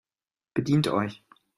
Bedient euch